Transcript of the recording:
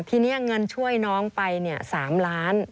ทีนี้เงินช่วยน้องไป๓ล้าน